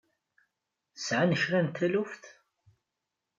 Sɛan kra n taluft?